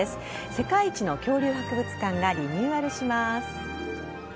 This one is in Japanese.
世界一の恐竜博物館がリニューアルします。